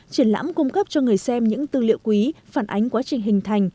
triển lãm cung cấp cho người xem những tư liệu quý phản ánh quá trình hình thành